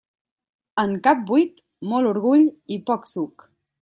En cap buit, molt orgull i poc suc.